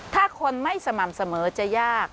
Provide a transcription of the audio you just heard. ถ้าคนไม่สม่ำเสมอจะยาก